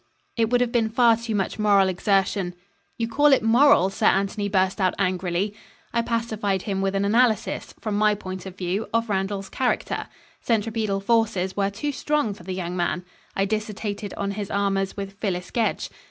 "It would have been far too much moral exertion " "You call it moral?" Sir Anthony burst out angrily. I pacified him with an analysis, from my point of view, of Randall's character. Centripetal forces were too strong for the young man. I dissertated on his amours with Phyllis Gedge.